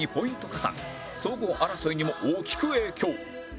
総合争いにも大きく影響